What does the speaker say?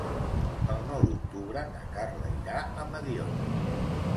El nou d'octubre na Carla irà a Mediona.